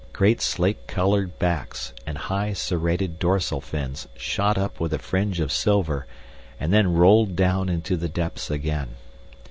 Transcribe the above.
Great slate colored backs and high serrated dorsal fins shot up with a fringe of silver, and then rolled down into the depths again.